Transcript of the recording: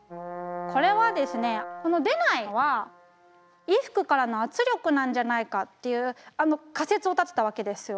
これはですねこの出ないのは衣服からの圧力なんじゃないかっていう仮説を立てたわけですよ。